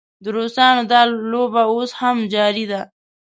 د روسانو دا لوبه اوس هم جاري ده.